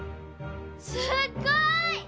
すっごい！